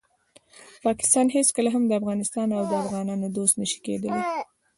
پاکستان هیڅکله هم د افغانستان او افغانانو دوست نشي کیدالی.